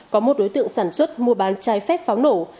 có một đối tượng sản xuất mua bán trái phép pháo nổ